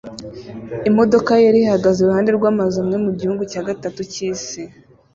Imodoka yera ihagaze iruhande rwamazu amwe mugihugu cya gatatu cyisi